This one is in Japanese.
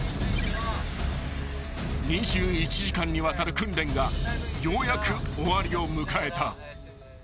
［２１時間にわたる訓練がようやく終わりを迎えた］